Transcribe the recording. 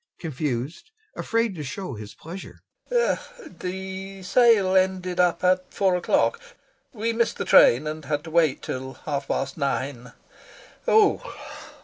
[Confused, afraid to show his pleasure] The sale ended up at four o'clock.... We missed the train, and had to wait till half past nine. [Sighs heavily] Ooh!